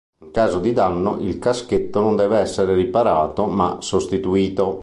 In caso di danno il caschetto non deve essere riparato, ma sostituito.